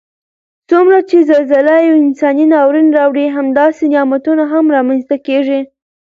څومره چې زلزله یو انساني ناورین راوړي همداسې نعمتونه هم رامنځته کړي